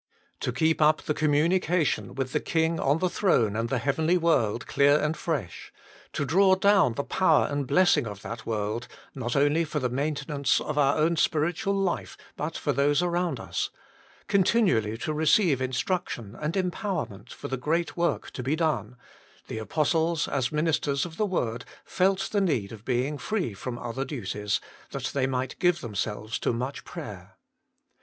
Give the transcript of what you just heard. To keep up the com munication with the King on the throne and the heavenly world clear and fresh ; to draw down the power and blessing of that world, not only for the maintenance of our own spiritual life, but for those around us ; continually to receive instruction and empowerment for the great work to be done the apostles, as the ministers of the word, felt the need of being free from other duties, that they might give themselves to much prayer.